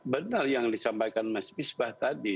benar yang disampaikan mas bisbah tadi